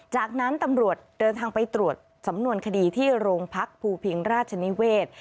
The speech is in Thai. จากนั้นตำรวจเดินทางไปตรวจสำนวนคดีที่โรงพักภูพิงราชนิเวศ